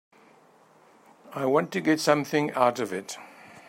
I want to get something out of it.